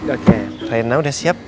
oke rena udah siap